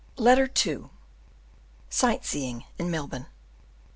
Letter II: Sight seeing in Melbourne.